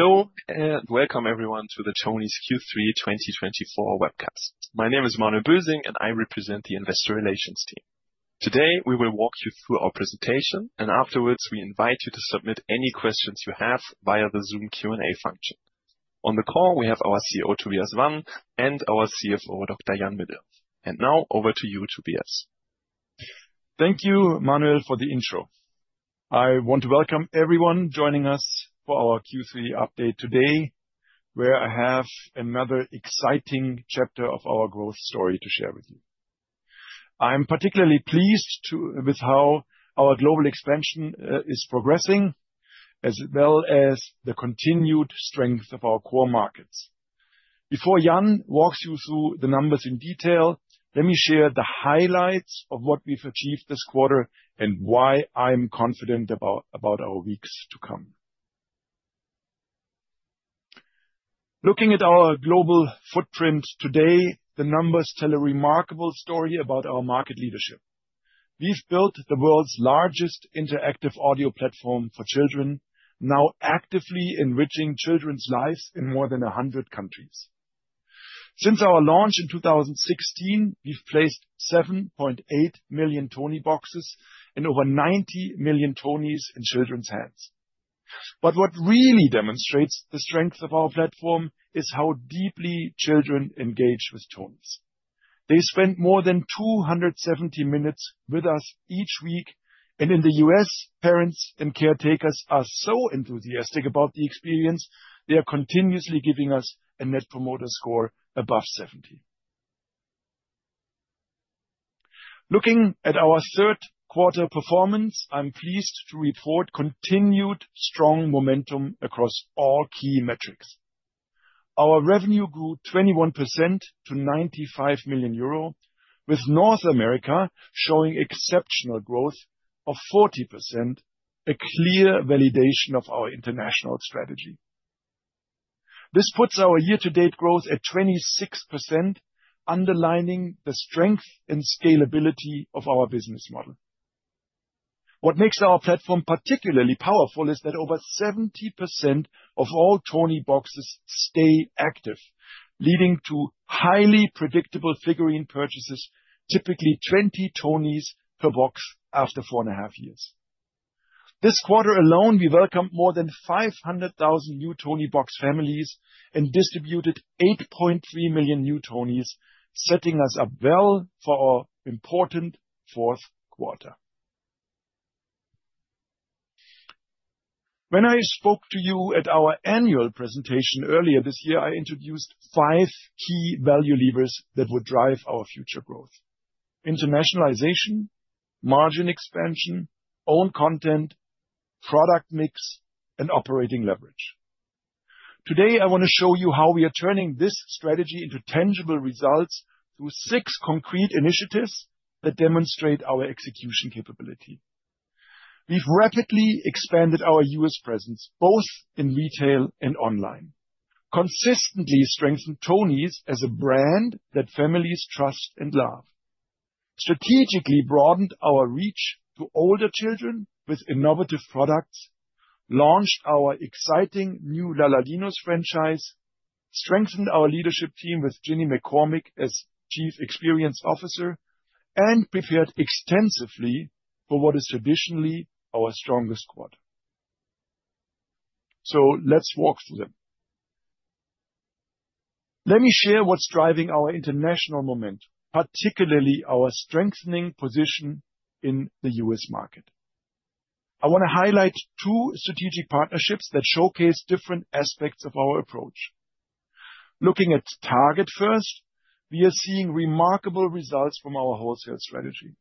Hello, and welcome everyone to the Tonies Q3 2024 webcast. My name is Manuel Bösing, and I represent the Investor Relations team. Today, we will walk you through our presentation, and afterwards, we invite you to submit any questions you have via the Zoom Q&A function. On the call, we have our CEO, Tobias Wann, and our CFO, Dr. Jan Middelhoff. And now, over to you, Tobias. Thank you, Manuel, for the intro. I want to welcome everyone joining us for our Q3 update today, where I have another exciting chapter of our growth story to share with you. I'm particularly pleased with how our global expansion is progressing, as well as the continued strength of our core markets. Before Jan walks you through the numbers in detail, let me share the highlights of what we've achieved this quarter and why I'm confident about our weeks to come. Looking at our global footprint today, the numbers tell a remarkable story about our market leadership. We've built the world's largest interactive audio platform for children, now actively enriching children's lives in more than 100 countries. Since our launch in 2016, we've placed 7.8 million Tonieboxes and over 90 million Tonies in children's hands. But what really demonstrates the strength of our platform is how deeply children engage with Tonies. They spend more than 270 minutes with us each week, and in the U.S., parents and caretakers are so enthusiastic about the experience, they are continuously giving us a Net Promoter Score above 70. Looking at our Q3 performance, I'm pleased to report continued strong momentum across all key metrics. Our revenue grew 21% to 95 million euro, with North America showing exceptional growth of 40%, a clear validation of our international strategy. This puts our year-to-date growth at 26%, underlining the strength and scalability of our business model. What makes our platform particularly powerful is that over 70% of all Tonieboxes stay active, leading to highly predictable figurine purchases, typically 20 Tonies per box after four and a half years. This quarter alone, we welcomed more than 500,000 new Toniebox families and distributed 8.3 million new Tonies, setting us up well for our important Q4. When I spoke to you at our annual presentation earlier this year, I introduced five key value levers that would drive our future growth: internationalization, margin expansion, own content, product mix, and operating leverage. Today, I want to show you how we are turning this strategy into tangible results through six concrete initiatives that demonstrate our execution capability. We've rapidly expanded our U.S. presence, both in retail and online, consistently strengthened Tonies as a brand that families trust and love, strategically broadened our reach to older children with innovative products, launched our exciting new Lalalinos franchise, strengthened our leadership team with Ginny McCormick as Chief Experience Officer, and prepared extensively for what is traditionally our strongest quarter, so let's walk through them. Let me share what's driving our international moment, particularly our strengthening position in the U.S. market. I want to highlight two strategic partnerships that showcase different aspects of our approach. Looking at Target first, we are seeing remarkable results from our wholesale strategy.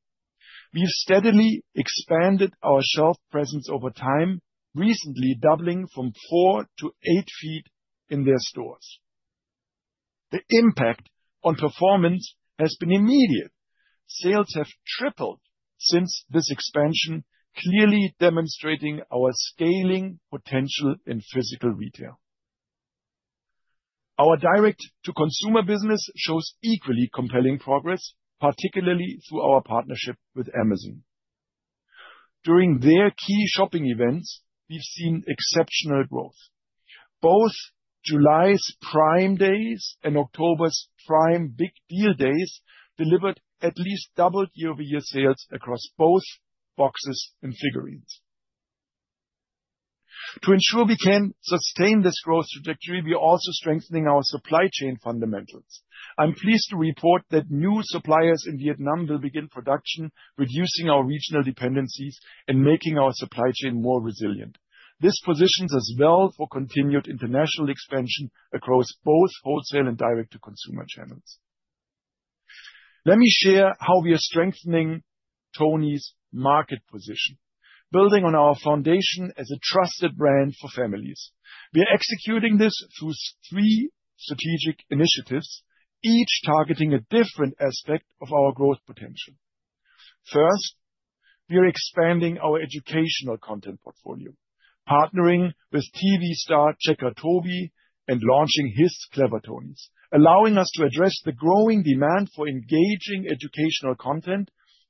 We've steadily expanded our shelf presence over time, recently doubling from four to eight feet in their stores. The impact on performance has been immediate. Sales have tripled since this expansion, clearly demonstrating our scaling potential in physical retail. Our direct-to-consumer business shows equally compelling progress, particularly through our partnership with Amazon. During their key shopping events, we've seen exceptional growth. Both July's Prime Days and October's Prime Big Deal Days delivered at least double year-over-year sales across both boxes and figurines. To ensure we can sustain this growth trajectory, we are also strengthening our supply chain fundamentals. I'm pleased to report that new suppliers in Vietnam will begin production, reducing our regional dependencies and making our supply chain more resilient. This positions us well for continued international expansion across both wholesale and direct-to-consumer channels. Let me share how we are strengthening Tonies' market position, building on our foundation as a trusted brand for families. We are executing this through three strategic initiatives, each targeting a different aspect of our growth potential. First, we are expanding our educational content portfolio, partnering with TV star Checker Tobi and launching his Clever Tonies. This allows us to address the growing demand for engaging educational content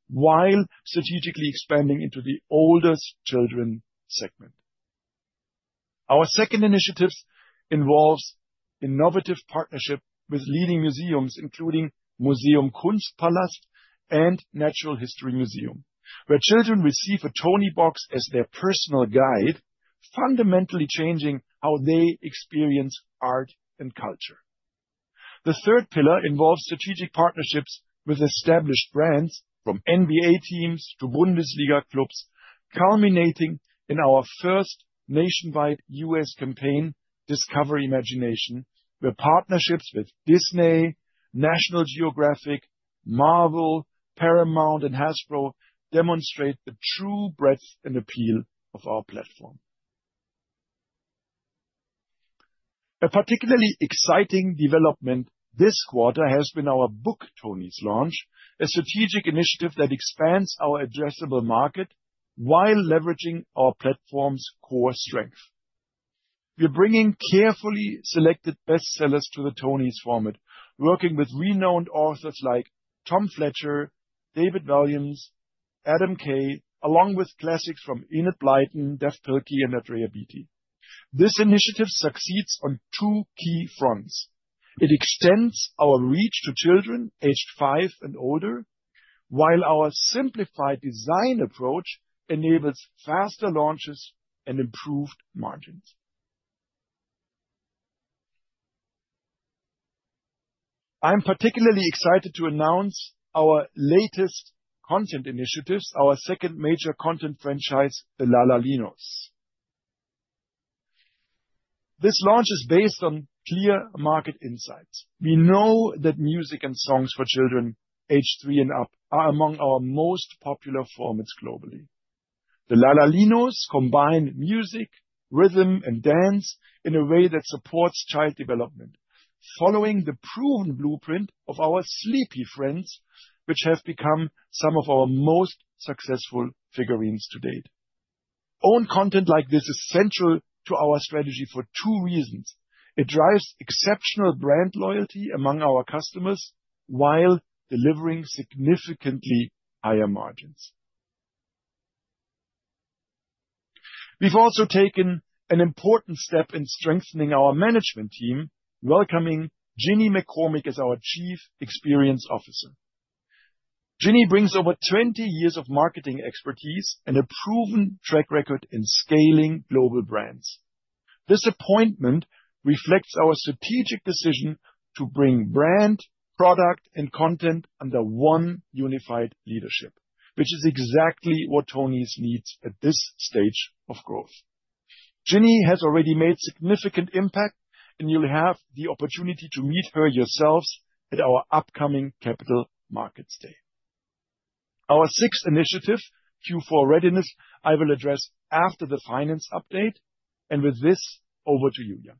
while strategically expanding into the oldest children segment. Our second initiative involves innovative partnerships with leading museums, including Museum Kunstpalast and Natural History Museum, where children receive a Toniebox as their personal guide, fundamentally changing how they experience art and culture. The third pillar involves strategic partnerships with established brands, from NBA teams to Bundesliga clubs, culminating in our first nationwide US campaign, Discover Imagination, where partnerships with Disney, National Geographic, Marvel, Paramount, and Hasbro demonstrate the true breadth and appeal of our platform. A particularly exciting development this quarter has been our Book Tonies launch, a strategic initiative that expands our addressable market while leveraging our platform's core strength. We are bringing carefully selected bestsellers to the Tonies format, working with renowned authors like Tom Fletcher, David Walliams, Adam Kay, along with classics from Enid Blyton, Dav Pilkey, and Andrea Beaty. This initiative succeeds on two key fronts. It extends our reach to children aged five and older, while our simplified design approach enables faster launches and improved margins. I'm particularly excited to announce our latest content initiatives, our second major content franchise, the Lalalinos. This launch is based on clear market insights. We know that music and songs for children aged three and up are among our most popular formats globally. The Lalalinos combine music, rhythm, and dance in a way that supports child development, following the proven blueprint of our Sleepy Friends, which have become some of our most successful figurines to date. Own content like this is central to our strategy for two reasons. It drives exceptional brand loyalty among our customers while delivering significantly higher margins. We've also taken an important step in strengthening our management team, welcoming Ginny McCormick as our Chief Experience Officer. Ginny brings over 20 years of marketing expertise and a proven track record in scaling global brands. This appointment reflects our strategic decision to bring brand, product, and content under one unified leadership, which is exactly what Tonies needs at this stage of growth. Ginny has already made significant impact, and you'll have the opportunity to meet her yourselves at our upcoming Capital Markets Day. Our sixth initiative, Q4 Readiness, I will address after the finance update. And with this, over to you, Jan.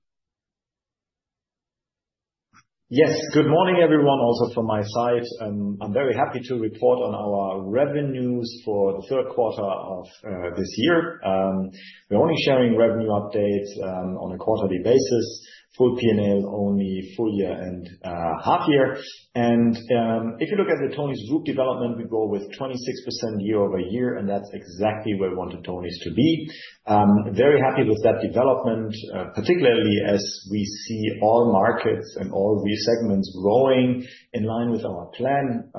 Yes, good morning, everyone, also from my side. I'm very happy to report on our revenues for Q3 of this year. We're only sharing revenue updates on a quarterly basis, full P&L only, full year and half year, and if you look at the Tonies' group development, we go with 26% year-over-year, and that's exactly where we wanted tonies to be. Very happy with that development, particularly as we see all markets and all re-segments growing in line with our plan.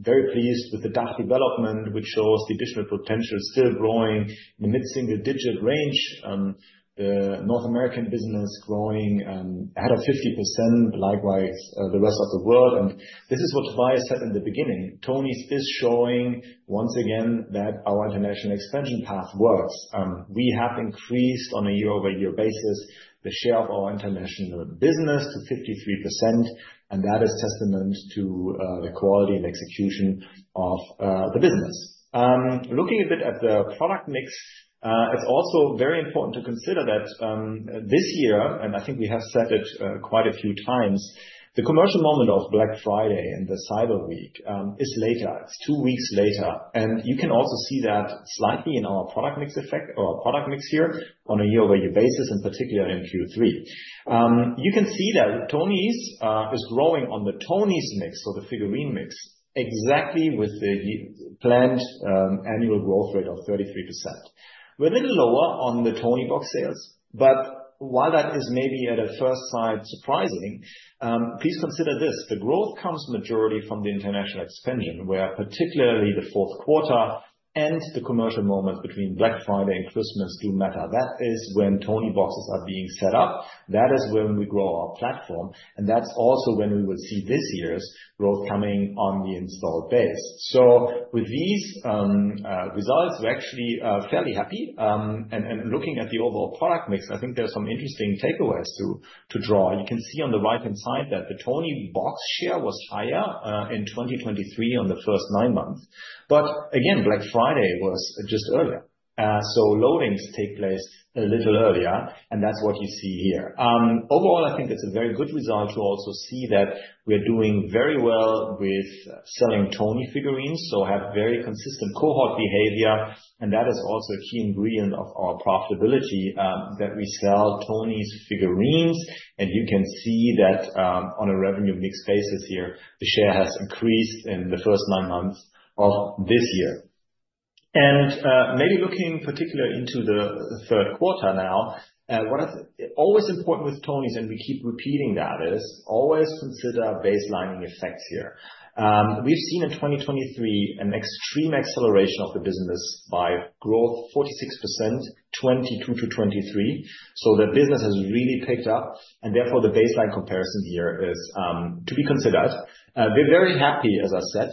Very pleased with the DACH development, which shows the additional potential still growing in the mid-single-digit range. The North American business is growing ahead of 50%, likewise the rest of the world, and this is what Tobias said in the beginning. Tonies is showing once again that our international expansion path works. We have increased on a year-over-year basis the share of our international business to 53%, and that is a testament to the quality and execution of the business. Looking a bit at the product mix, it's also very important to consider that this year, and I think we have said it quite a few times, the commercial moment of Black Friday and the Cyber Week is later. It's two weeks later. And you can also see that slightly in our product mix effect, our product mix here on a year-over-year basis, in particular in Q3. You can see that Tonies is growing on the Tonies mix, so the figurine mix, exactly with the planned annual growth rate of 33%. We're a little lower on the Toniebox sales, but while that is maybe at first sight surprising, please consider this: the growth comes majority from the international expansion, where particularly Q4 and the commercial momentum between Black Friday and Christmas do matter. That is when Tonieboxes are being set up. That is when we grow our platform, and that's also when we will see this year's growth coming on the installed base. So with these results, we're actually fairly happy, and looking at the overall product mix, I think there are some interesting takeaways to draw. You can see on the right-hand side that the Toniebox share was higher in 2023 on the first nine months, but again, Black Friday was just earlier, so loadings take place a little earlier, and that's what you see here. Overall, I think it's a very good result to also see that we are doing very well with selling Tonies figurines, so we have very consistent cohort behavior. That is also a key ingredient of our profitability that we sell Tonies figurines. You can see that on a revenue mix basis here, the share has increased in the first nine months of this year. Maybe looking particularly into Q3 now, what is always important with Tonies and we keep repeating that is always consider baseline effects here. We've seen in 2023 an extreme acceleration of the business by growth, 46%, 22 to 23. So the business has really picked up, and therefore the baseline comparison here is to be considered. We're very happy, as I said,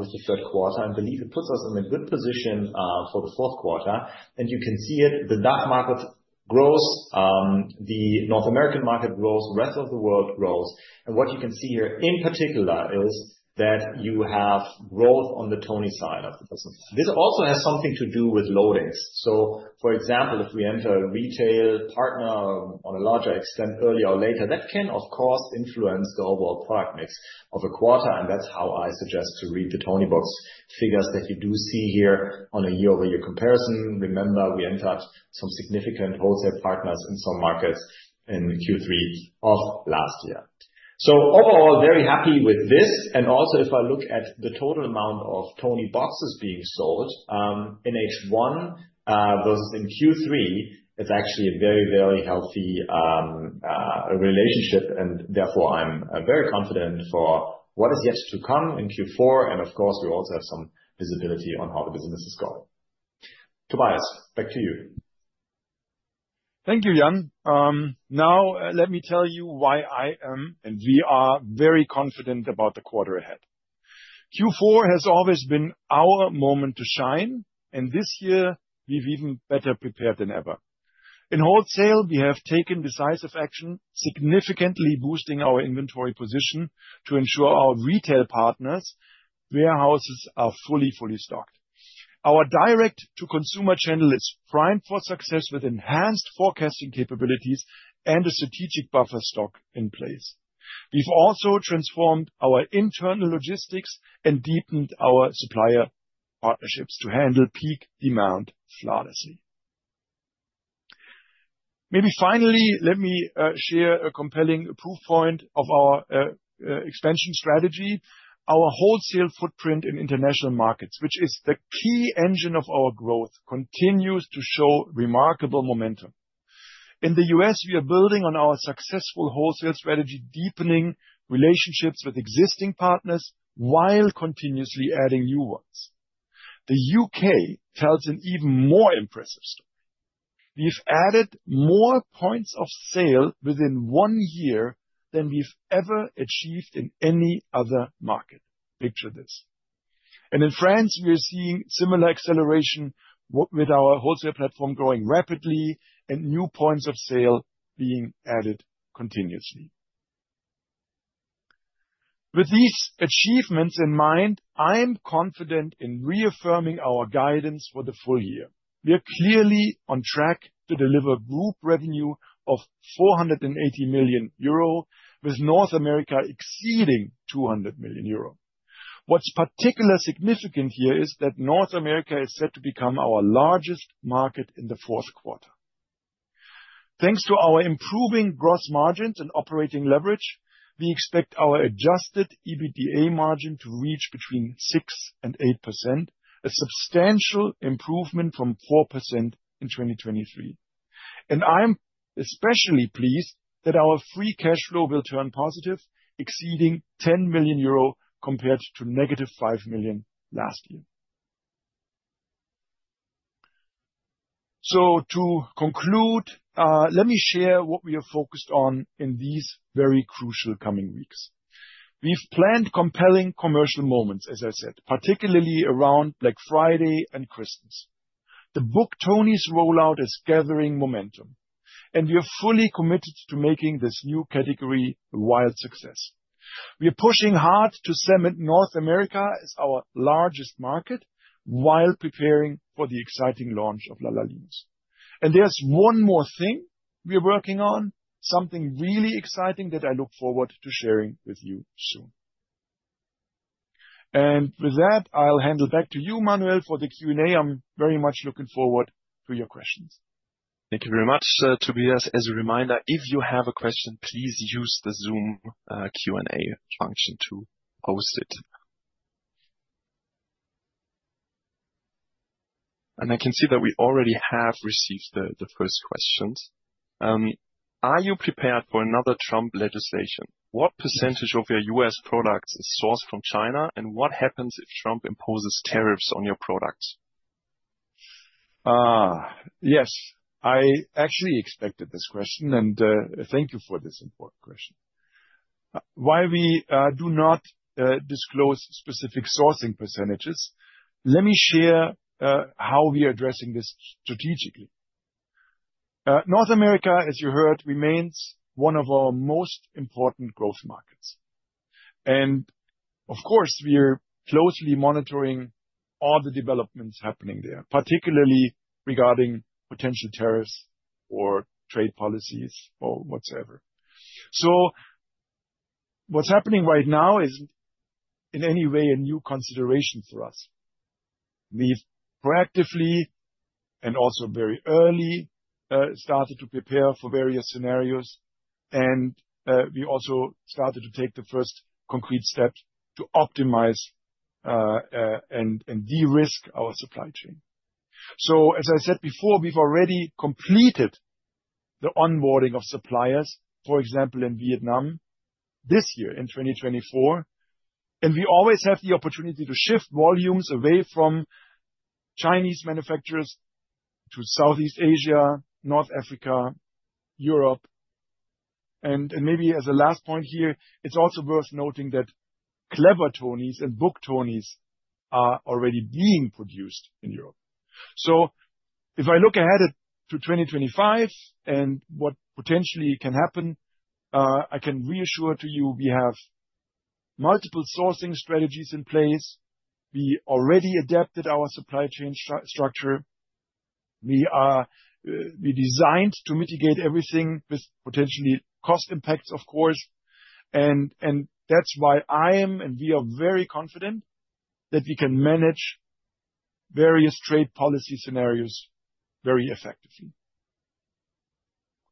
with Q3. I believe it puts us in a good position for Q4. You can see it. The DACH market grows, the North American market grows, the rest of the world grows. What you can see here in particular is that you have growth on the Tonie side of the business. This also has something to do with loadings. So for example, if we enter a retail partner on a larger extent earlier or later, that can, of course, influence the overall product mix of a quarter. That's how I suggest to read the Toniebox figures that you do see here on a year-over-year comparison. Remember, we entered some significant wholesale partners in some markets in Q3 of last year. So overall, very happy with this. Also, if I look at the total amount of Tonieboxes being sold in H1 versus in Q3, it's actually a very, very healthy relationship. And therefore, I'm very confident for what is yet to come in Q4. And of course, we also have some visibility on how the business is going. Tobias, back to you. Thank you, Jan. Now, let me tell you why I am and we are very confident about the quarter ahead. Q4 has always been our moment to shine, and this year, we've even better prepared than ever. In wholesale, we have taken decisive action, significantly boosting our inventory position to ensure our retail partners' warehouses are fully, fully stocked. Our direct-to-consumer channel is primed for success with enhanced forecasting capabilities and a strategic buffer stock in place. We've also transformed our internal logistics and deepened our supplier partnerships to handle peak demand flawlessly. Maybe finally, let me share a compelling proof point of our expansion strategy. Our wholesale footprint in international markets, which is the key engine of our growth, continues to show remarkable momentum. In the U.S., we are building on our successful wholesale strategy, deepening relationships with existing partners while continuously adding new ones. The UK tells an even more impressive story. We've added more points of sale within one year than we've ever achieved in any other market. Picture this, and in France, we are seeing similar acceleration with our wholesale platform growing rapidly and new points of sale being added continuously. With these achievements in mind, I'm confident in reaffirming our guidance for the full year. We are clearly on track to deliver group revenue of 480 million euro, with North America exceeding 200 million euro. What's particularly significant here is that North America is set to become our largest market in Q4. Thanks to our improving gross margins and operating leverage, we expect our Adjusted EBITDA margin to reach between 6% and 8%, a substantial improvement from 4% in 2023. I'm especially pleased that our free cash flow will turn positive, exceeding 10 million euro compared to - 5 million last year. To conclude, let me share what we have focused on in these very crucial coming weeks. We've planned compelling commercial moments, as I said, particularly around Black Friday and Christmas. The Book Tonies rollout is gathering momentum, and we are fully committed to making this new category a wild success. We are pushing hard to cement North America as our largest market while preparing for the exciting launch of Lalalinos. There's one more thing we are working on, something really exciting that I look forward to sharing with you soon. With that, I'll hand back to you, Manuel, for the Q&A. I'm very much looking forward to your questions. Thank you very much, Tobias. As a reminder, if you have a question, please use the Zoom Q&A function to post it. And I can see that we already have received the first questions. Are you prepared for another Trump legislation? What percentage of your U.S. products is sourced from China, and what happens if Trump imposes tariffs on your products? Yes, I actually expected this question, and thank you for this important question. While we do not disclose specific sourcing percentages, let me share how we are addressing this strategically. North America, as you heard, remains one of our most important growth markets, and of course, we are closely monitoring all the developments happening there, particularly regarding potential tariffs or trade policies or whatsoever, so what's happening right now is in any way a new consideration for us. We've proactively and also very early started to prepare for various scenarios, and we also started to take the first concrete steps to optimize and de-risk our supply chain, so as I said before, we've already completed the onboarding of suppliers, for example, in Vietnam this year in 2024, and we always have the opportunity to shift volumes away from Chinese manufacturers to Southeast Asia, North Africa, Europe. Maybe as a last point here, it's also worth noting that Clever Tonies and Book Tonies are already being produced in Europe. If I look ahead to 2025 and what potentially can happen, I can reassure you we have multiple sourcing strategies in place. We already adapted our supply chain structure. We designed to mitigate everything with potentially cost impacts, of course. That's why I am and we are very confident that we can manage various trade policy scenarios very effectively.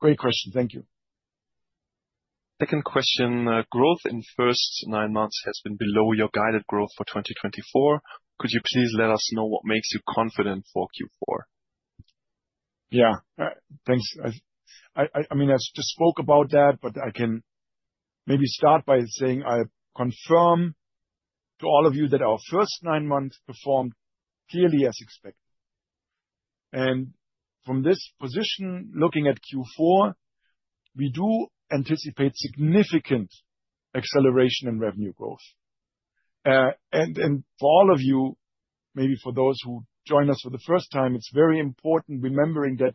Great question. Thank you. Second question. Growth in the first nine months has been below your guided growth for 2024. Could you please let us know what makes you confident for Q4? Yeah, thanks. I mean, I just spoke about that, but I can maybe start by saying I confirm to all of you that our first nine months performed clearly as expected. And from this position, looking at Q4, we do anticipate significant acceleration in revenue growth. And for all of you, maybe for those who join us for the first time, it's very important remembering that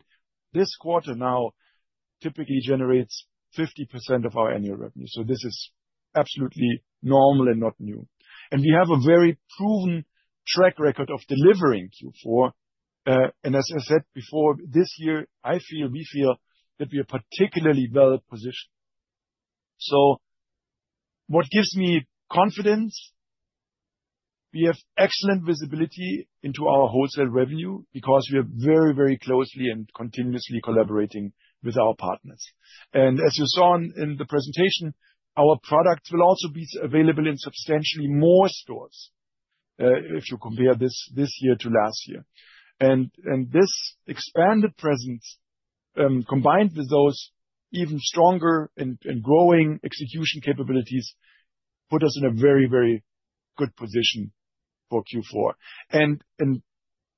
this quarter now typically generates 50% of our annual revenue. So this is absolutely normal and not new. And we have a very proven track record of delivering Q4. And as I said before, this year, I feel we feel that we are particularly well positioned. So what gives me confidence? We have excellent visibility into our wholesale revenue because we are very, very closely and continuously collaborating with our partners. As you saw in the presentation, our products will also be available in substantially more stores if you compare this year to last year. And this expanded presence, combined with those even stronger and growing execution capabilities, put us in a very, very good position for Q4. And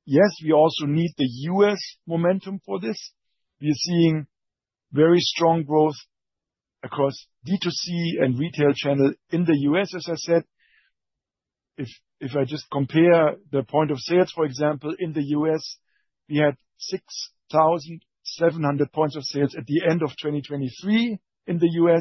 yes, we also need the U.S. momentum for this. We are seeing very strong growth across D2C and retail channel in the U.S., as I said. If I just compare the point of sales, for example, in the U.S., we had 6,700 points of sales at the end of 2023 in the U.S.,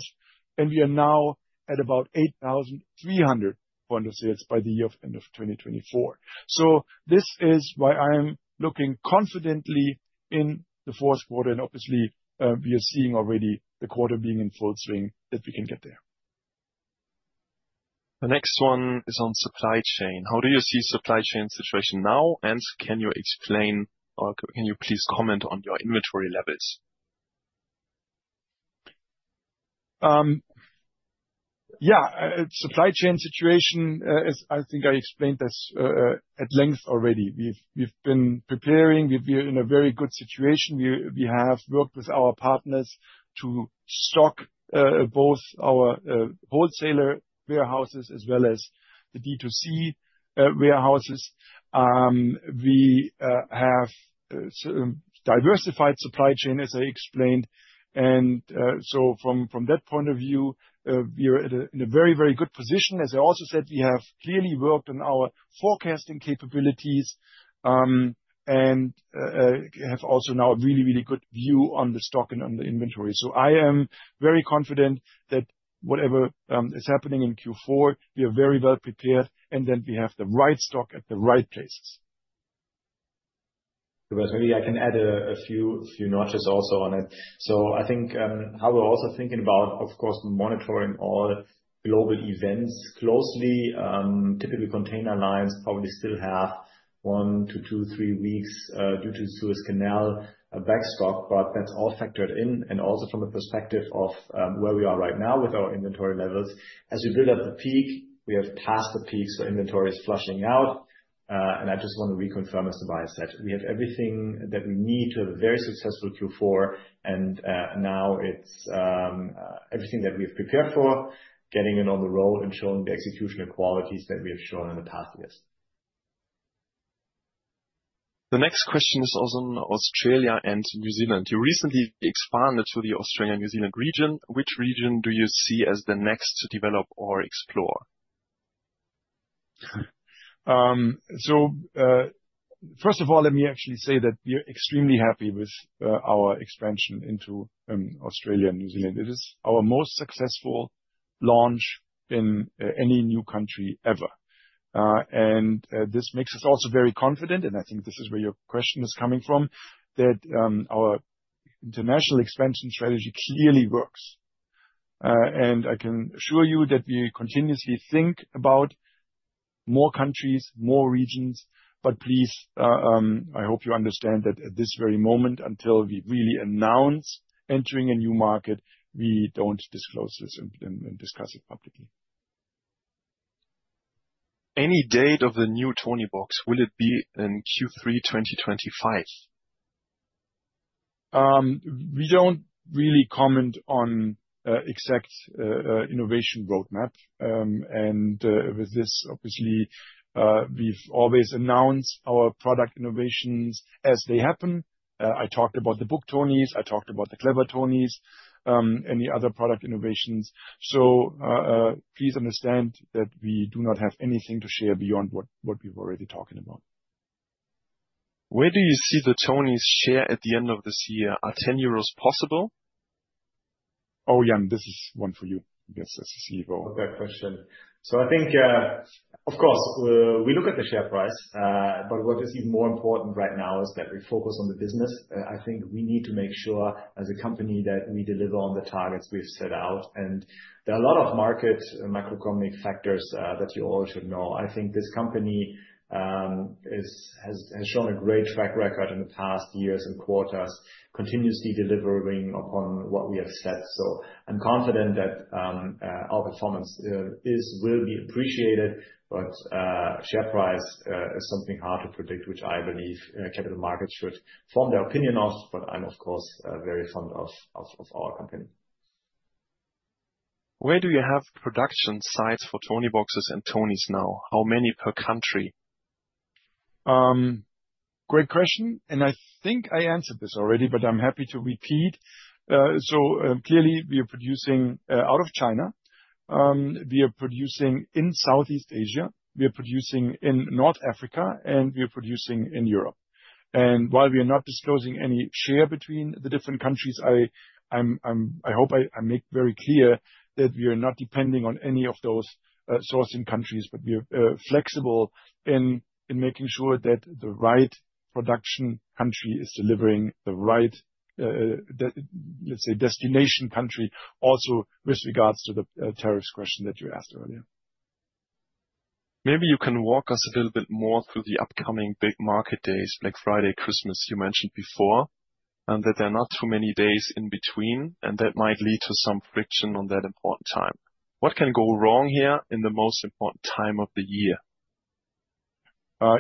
and we are now at about 8,300 points of sales by the year of end of 2024. So this is why I am looking confidently in Q4. And obviously, we are seeing already the quarter being in full swing that we can get there. The next one is on supply chain. How do you see the supply chain situation now, and can you explain, or can you please comment on your inventory levels? Yeah, the supply chain situation, I think I explained this at length already. We've been preparing. We're in a very good situation. We have worked with our partners to stock both our wholesaler warehouses as well as the D2C warehouses. We have diversified the supply chain, as I explained. And so from that point of view, we are in a very, very good position. As I also said, we have clearly worked on our forecasting capabilities and have also now a really, really good view on the stock and on the inventory. So I am very confident that whatever is happening in Q4, we are very well prepared and that we have the right stock at the right places. Tobias, maybe I can add a few notes also on it. So I think how we're also thinking about, of course, monitoring all global events closely. Typically, container lines probably still have one to two, three weeks due to Suez Canal backlog, but that's all factored in. And also from the perspective of where we are right now with our inventory levels, as we build up the peak, we have passed the peak, so inventory is flushing out. And I just want to reconfirm, as Tobias said, we have everything that we need to have a very successful Q4. And now it's everything that we have prepared for, getting it on the road and showing the execution of qualities that we have shown in the past years. The next question is also on Australia and New Zealand. You recently expanded to the Australia-New Zealand region. Which region do you see as the next to develop or explore? First of all, let me actually say that we are extremely happy with our expansion into Australia and New Zealand. It is our most successful launch in any new country ever. And this makes us also very confident. And I think this is where your question is coming from, that our international expansion strategy clearly works. And I can assure you that we continuously think about more countries, more regions. But please, I hope you understand that at this very moment, until we really announce entering a new market, we don't disclose this and discuss it publicly. Any date on the new Toniebox, will it be in Q3 2025? We don't really comment on exact innovation roadmap, and with this, obviously, we've always announced our product innovations as they happen. I talked about the Book Tonies. I talked about the Clever Tonies. Any other product innovations, so please understand that we do not have anything to share beyond what we've already talked about. Where do you see the Tonies share at the end of this year? Are 10 euros possible? Oh, yeah, this is one for you. Yes, this is Middelhoff. Quick question. So I think, of course, we look at the share price, but what is even more important right now is that we focus on the business. I think we need to make sure as a company that we deliver on the targets we've set out. And there are a lot of market macroeconomic factors that you all should know. I think this company has shown a great track record in the past years and quarters, continuously delivering upon what we have set. So I'm confident that our performance will be appreciated, but share price is something hard to predict, which I believe capital markets should form their opinion of. But I'm, of course, very fond of our company. Where do you have production sites for Tonieboxes and Tonies now? How many per country? Great question. And I think I answered this already, but I'm happy to repeat. So clearly, we are producing out of China. We are producing in Southeast Asia. We are producing in North Africa, and we are producing in Europe. And while we are not disclosing any share between the different countries, I hope I make very clear that we are not depending on any of those sourcing countries, but we are flexible in making sure that the right production country is delivering the right, let's say, destination country also with regards to the tariffs question that you asked earlier. Maybe you can walk us a little bit more through the upcoming big market days, Black Friday, Christmas you mentioned before, and that there are not too many days in between, and that might lead to some friction on that important time. What can go wrong here in the most important time of the year?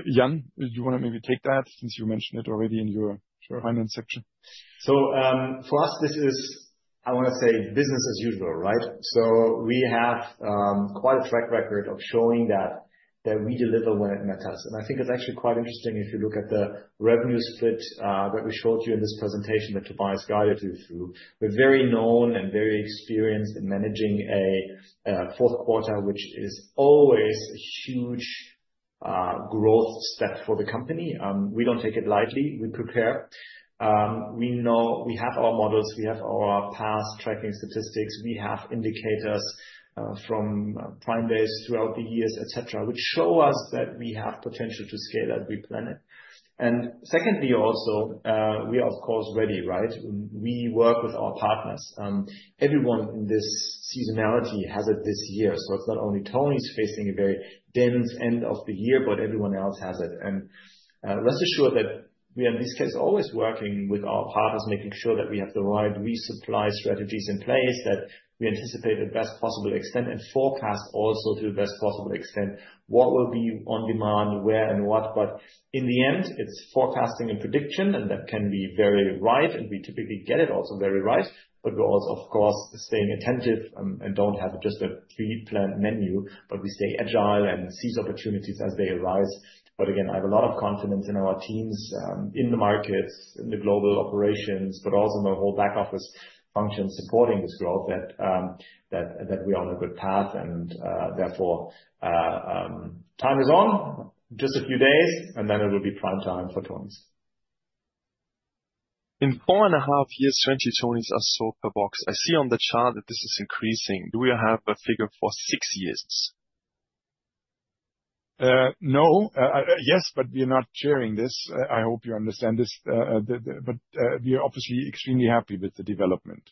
Jan, you want to maybe take that since you mentioned it already in your finance section? For us, this is, I want to say, business as usual, right? We have quite a track record of showing that we deliver when it matters. I think it's actually quite interesting if you look at the revenue split that we showed you in this presentation that Tobias guided you through. We're very known and very experienced in managing a Q4, which is always a huge growth step for the company. We don't take it lightly. We prepare. We have our models. We have our past tracking statistics. We have indicators from Prime Days throughout the years, etc., which show us that we have potential to scale as we plan it. Secondly, also, we are, of course, ready, right? We work with our partners. Everyone in this seasonality has it this year. So it's not only Tonies facing a very dense end of the year, but everyone else has it. And rest assured that we are, in this case, always working with our partners, making sure that we have the right resupply strategies in place, that we anticipate the best possible extent and forecast also to the best possible extent what will be on demand, where and what. But in the end, it's forecasting and prediction, and that can be very right. And we typically get it also very right. But we're also, of course, staying attentive and don't have just a pre-planned menu, but we stay agile and seize opportunities as they arise. But again, I have a lot of confidence in our teams in the markets, in the global operations, but also in the whole back office function supporting this growth that we are on a good path. Therefore, time is on just a few days, and then it will be prime time for Tonies. In four and a half years, 20 Tonies are sold per box. I see on the chart that this is increasing. Do we have a figure for six years? No. Yes, but we are not sharing this. I hope you understand this. But we are obviously extremely happy with the development.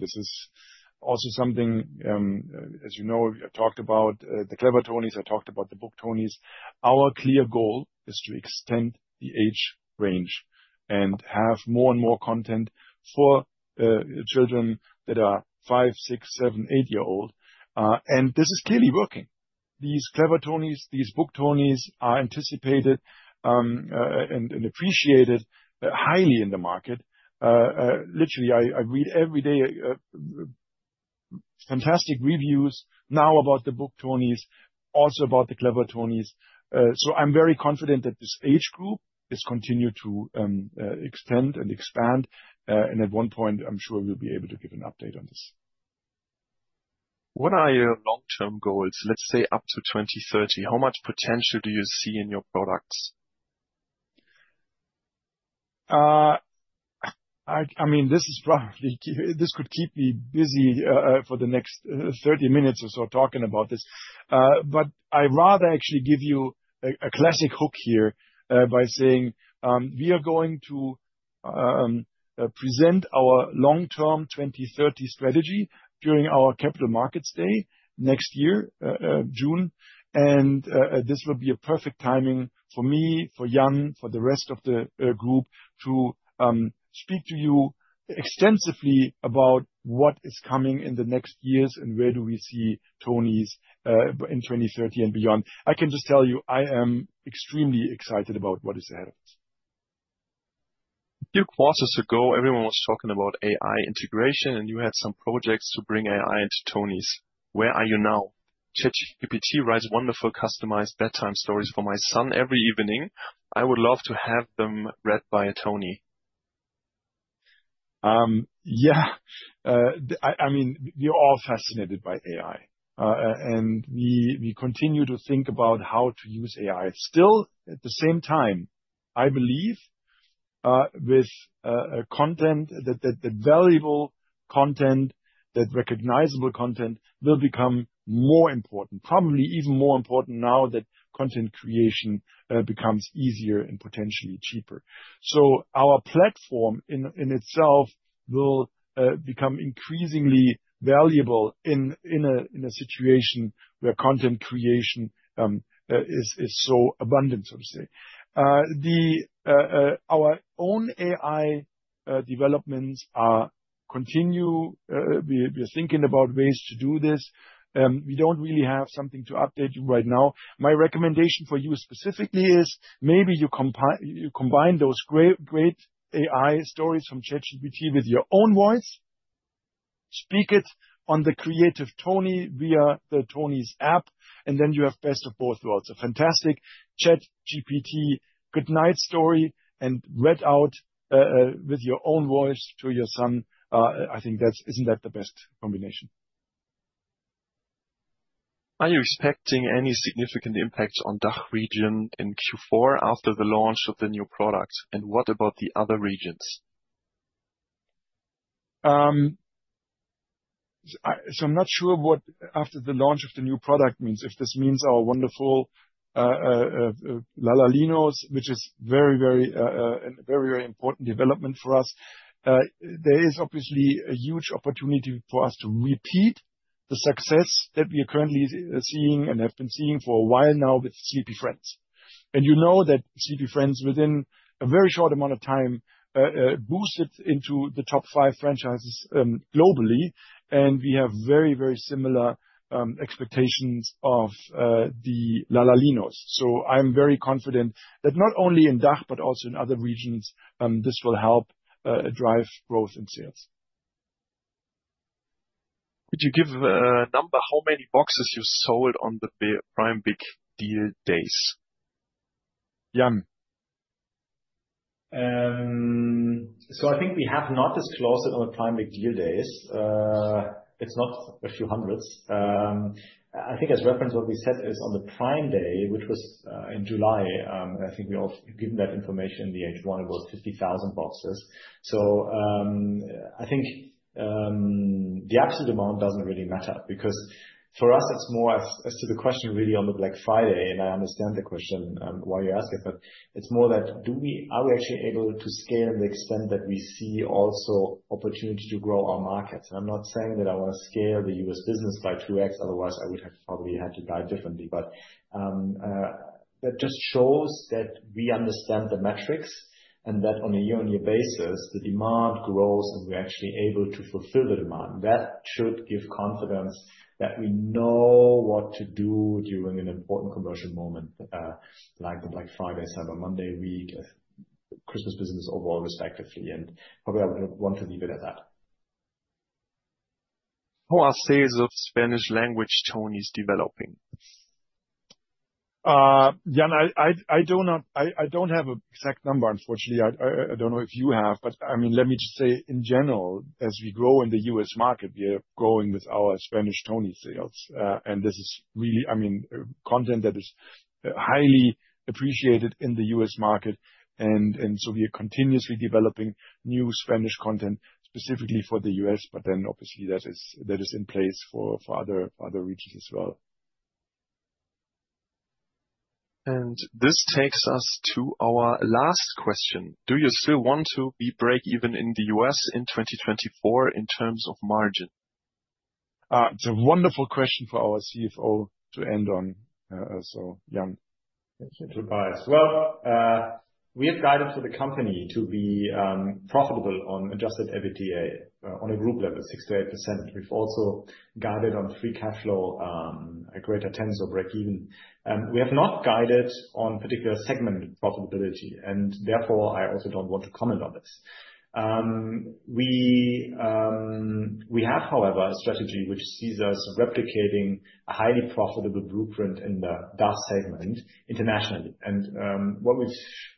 This is also something, as you know, we have talked about the Clever Tonies. I talked about the Book Tonies. Our clear goal is to extend the age range and have more and more content for children that are five, six, seven, eight-year-old, and this is clearly working. These Clever Tonies, these Book Tonies are anticipated and appreciated highly in the market. Literally, I read every day fantastic reviews now about the Book Tonies, also about the Clever Tonies, so I'm very confident that this age group is continued to extend and expand, and at one point, I'm sure we'll be able to give an update on this. What are your long-term goals? Let's say up to 2030. How much potential do you see in your products? I mean, this could keep me busy for the next 30 minutes or so talking about this. But I'd rather actually give you a classic hook here by saying we are going to present our long-term 2030 strategy during our Capital Markets Day next year, June, and this will be a perfect timing for me, for Jan, for the rest of the group to speak to you extensively about what is coming in the next years and where do we see tonies in 2030 and beyond. I can just tell you, I am extremely excited about what is ahead of us. A few quarters ago, everyone was talking about AI integration, and you had some projects to bring AI into Tonies. Where are you now? ChatGPT writes wonderful customized bedtime stories for my son every evening. I would love to have them read by a Tony. Yeah. I mean, we are all fascinated by AI, and we continue to think about how to use AI still. At the same time, I believe with content, that valuable content, that recognizable content will become more important, probably even more important now that content creation becomes easier and potentially cheaper, so our platform in itself will become increasingly valuable in a situation where content creation is so abundant, so to say. Our own AI developments continue. We are thinking about ways to do this. We don't really have something to update you right now. My recommendation for you specifically is maybe you combine those great AI stories from ChatGPT with your own voice, speak it on the Creative-Tonie via the Tonies app, and then you have best of both worlds: a fantastic ChatGPT goodnight story and read out with your own voice to your son. I think that isn't that the best combination? Are you expecting any significant impact on DACH region in Q4 after the launch of the new product? And what about the other regions? I'm not sure what after the launch of the new product means, if this means our wonderful Lalalinos, which is very, very, very important development for us. There is obviously a huge opportunity for us to repeat the success that we are currently seeing and have been seeing for a while now with Sleepy Friends. And you know that Sleepy Friends within a very short amount of time boosted into the top five franchises globally. And we have very, very similar expectations of the Lalalinos. I'm very confident that not only in DACH, but also in other regions, this will help drive growth in sales. Could you give a number how many boxes you sold on the Prime Big Deal Days? Jan. So I think we have not disclosed it on the Prime Big Deal Days. It's not a few hundreds. I think as reference, what we said is on the Prime Day, which was in July, I think we all given that information in the H1, about 50,000 boxes. So I think the absolute amount doesn't really matter because for us, it's more as to the question really on the Black Friday. And I understand the question why you ask it, but it's more that are we actually able to scale in the extent that we see also opportunity to grow our markets? And I'm not saying that I want to scale the U.S. business by 2x, otherwise I would have probably had to drive differently. But that just shows that we understand the metrics and that on a year-on-year basis, the demand grows and we're actually able to fulfill the demand. That should give confidence that we know what to do during an important commercial moment like the Black Friday, Cyber Monday week, Christmas business overall, respectively. And probably I would want to leave it at that. How are sales of Spanish language Tonies developing? Jan, I don't have an exact number, unfortunately. I don't know if you have, but I mean, let me just say in general, as we grow in the U.S. market, we are growing with our Spanish Tonies sales. And this is really, I mean, content that is highly appreciated in the U.S. market. And so we are continuously developing new Spanish content specifically for the U.S., but then obviously that is in place for other regions as well. And this takes us to our last question. Do you still want to be break-even in the U.S. in 2024 in terms of margin? It's a wonderful question for our CFO to end on, so Jan. Thank you, Tobias. Well, we have guided for the company to be profitable on Adjusted EBITDA on a group level, 6% to 8%. We've also guided on Free Cash Flow, a greater 10, so break-even. We have not guided on particular segment profitability, and therefore I also don't want to comment on this. We have, however, a strategy which sees us replicating a highly profitable blueprint in the DACH segment internationally. And what we've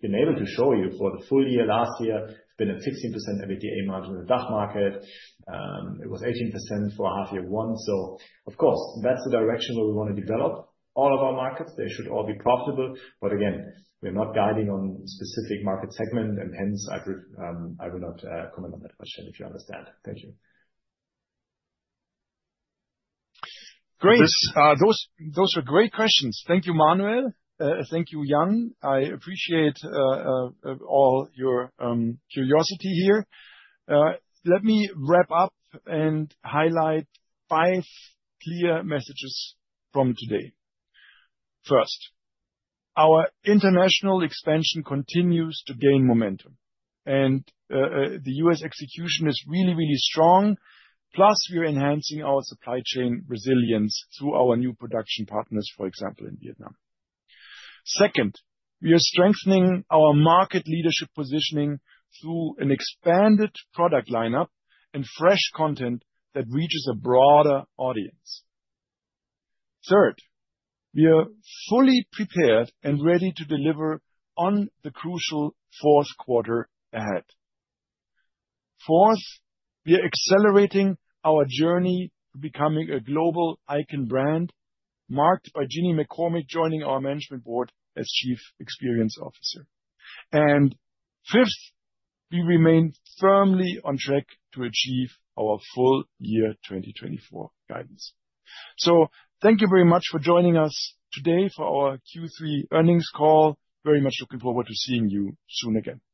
been able to show you for the full year last year has been a 16% EBITDA margin in the DACH market. It was 18% for half year one. So of course, that's the direction where we want to develop all of our markets. They should all be profitable. But again, we are not guiding on specific market segment, and hence I will not comment on that question if you understand. Thank you. Great. Those were great questions. Thank you, Manuel. Thank you, Jan. I appreciate all your curiosity here. Let me wrap up and highlight five clear messages from today. First, our international expansion continues to gain momentum, and the U.S. execution is really, really strong. Plus, we are enhancing our supply chain resilience through our new production partners, for example, in Vietnam. Second, we are strengthening our market leadership positioning through an expanded product lineup and fresh content that reaches a broader audience. Third, we are fully prepared and ready to deliver on the crucial Q4 ahead. Fourth, we are accelerating our journey to becoming a global icon brand marked by Ginny McCormick joining our management board as Chief Experience Officer. And fifth, we remain firmly on track to achieve our full year 2024 guidance. So thank you very much for joining us today for our Q3 earnings call. Very much looking forward to seeing you soon again. Thanks.